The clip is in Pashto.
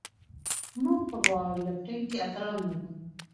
موږ په پاور لفټینګ کې اتلان لرو.